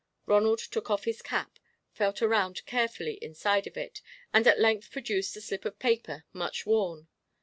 Ronald took off his cap, felt around carefully inside of it, and at length produced a slip of paper, much worn.